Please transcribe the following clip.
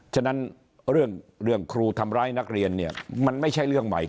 ฉะนั้นเรื่องครูทำร้ายนักเรียนเนี่ยมันไม่ใช่เรื่องใหม่